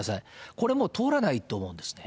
これもう通らないと思うんですね。